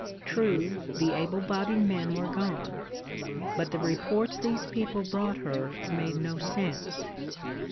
True, the able bodied men were gone, but the reports these people brought her made no sense.